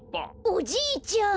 おじいちゃん。